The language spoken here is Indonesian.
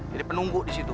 jadi penunggu di situ